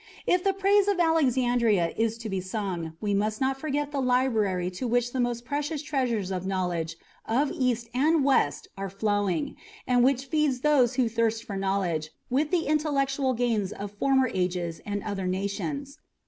If the praise of Alexandria is to be sung, we must not forget the library to which the most precious treasures of knowledge of the East and West are flowing, and which feeds those who thirst for knowledge with the intellectual gains of former ages and other nations.